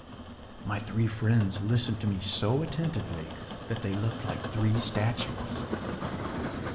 My three friends listened to me so attentively that they looked like three statues.